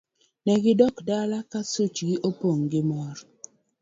Ne gidok dala ka suchgi opong' gi mor.